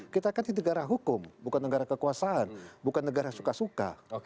kita kan di negara hukum bukan negara kekuasaan bukan negara suka suka